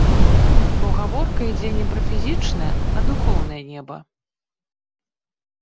Бо гаворка ідзе не пра фізічнае, а духоўнае неба.